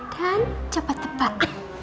dan coba tebak